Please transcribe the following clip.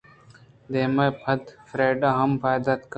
دمانے ءَ پد فریڈا ہم پاد اتک